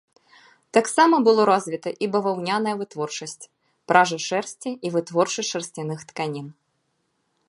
Таксама было развіта і баваўняная вытворчасць, пража шэрсці і вытворчасць шарсцяных тканін.